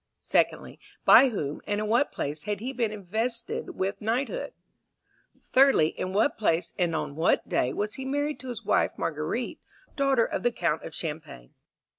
Secondly, By whom, and in what place, had he been invested with knighthood? Thirdly, In what place, and on what day, was he married to his wife Marguerite, daughter of the Count of Champagne?"